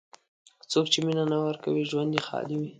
څوک چې مینه نه ورکوي، ژوند یې خالي وي.